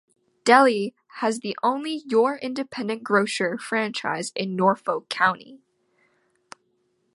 Delhi has the only Your Independent Grocer franchise in Norfolk County.